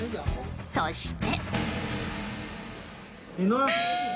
そして。